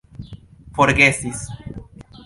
forgesis